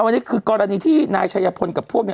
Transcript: กรมป้องกันแล้วก็บรรเทาสาธารณภัยนะคะ